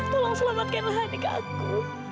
tolong selamatkanlah adik aku